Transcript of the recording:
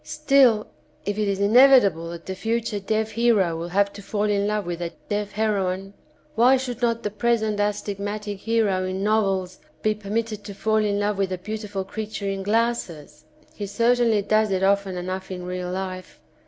Still if it is inevitable that the future deaf hero will have to fall in love with a deaf heroine, why should not the present astig matic hero in novels be permitted to fall in love with a beautiful creature in glasses ? He certainly does it often enough in real life.